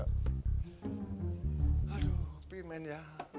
aduh pimen ya